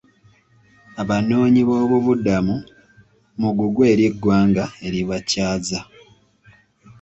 Abanoonyiboobubudamu mugugu eri eggwanga eribakyaza.